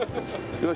よし。